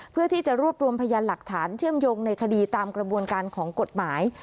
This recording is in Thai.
เพื่อที่จะรวบรวมพยานหลักฐานเชื่อมโยงในคดีตามกระบวนการของกฎหมาย